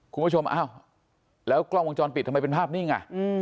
คุณผู้ชมอ้าวแล้วกล้องวงจรปิดทำไมเป็นภาพนิ่งอ่ะ